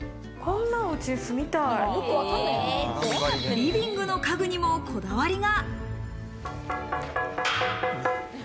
リビングの家具にもこだわりが。